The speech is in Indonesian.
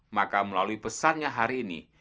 maka melalui pesannya hari ini